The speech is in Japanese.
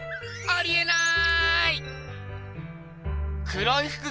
ありえない！